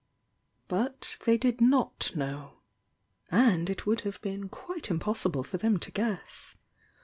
'^' But they did not know. And it would have been quite impossible for them to guess.